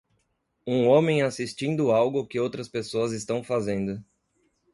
Um homem assistindo algo que outras pessoas estão fazendo.